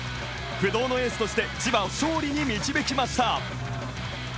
不動のエースとして千葉を勝利に導きました。